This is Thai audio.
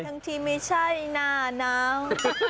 ทั้งที่ไม่ใช่หน้าหนาว